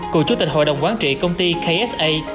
cựu chủ tịch hội đồng quán trị công ty ksa